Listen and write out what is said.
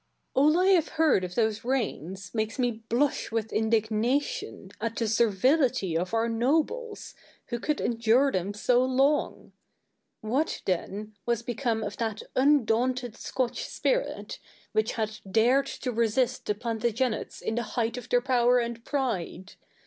Douglas. All I have heard of those reigns makes me blush with indignation at the servility of our nobles, who could endure them so long. What, then, was become of that undaunted Scotch spirit, which had dared to resist the Plantagenets in the height of their power and pride?